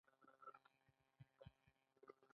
دویم ډول ځمکه بې حاصله او بې کیفیته ده